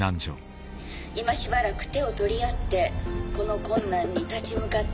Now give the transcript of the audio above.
「今しばらく手を取り合ってこの困難に立ち向かっていただきたく思います」。